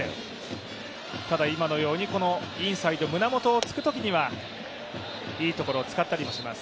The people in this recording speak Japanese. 今のように、インサイド胸元を突くときにはいいところを使ったりします。